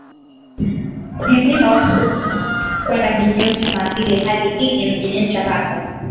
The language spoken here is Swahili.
kuhimiza watu kwenda kinyume cha maadili Hali hii inajionyesha hasa